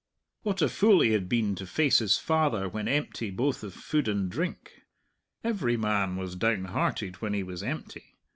What a fool he had been to face his father when empty both of food and drink! Every man was down hearted when he was empty.